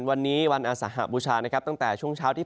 วันนี้วันอาสาหบูชานะครับตั้งแต่ช่วงเช้าที่